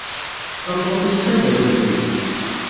Tameṭṭut-is d tamdakelt-iw.